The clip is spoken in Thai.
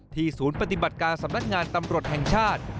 ศูนย์ปฏิบัติการสำนักงานตำรวจแห่งชาติ